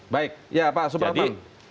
baik ya pak soebrangman